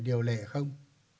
điều lệ không